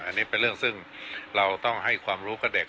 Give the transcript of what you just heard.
อันนี้เป็นเรื่องซึ่งเราต้องให้ความรู้กับเด็ก